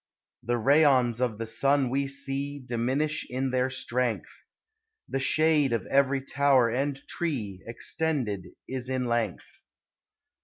The rayons of the sun we see Diminish in their strength; The shade of every lower and tree Extended is in Length.